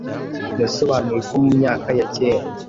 Yasobanuye ko mu myaka ya kera, “